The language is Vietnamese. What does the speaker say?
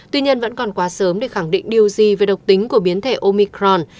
tuy nhiên vẫn còn quá sớm để khẳng định điều gì về độc tính của biến thể omicron